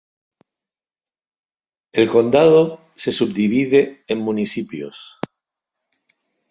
El condado se subdivide en municipios.